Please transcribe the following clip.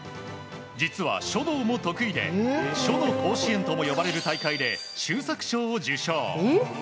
実は、書道も得意で書の甲子園とも呼ばれる大会で秀作賞を受賞。